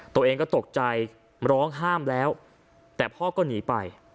ตัวเองก็ตกใจร้องห้ามแล้วแต่พ่อก็หนีไป